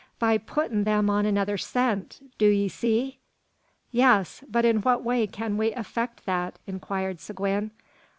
"By puttin' them on another scent, do 'ee see?" "Yes! but in what way can we effect that?" inquired Seguin.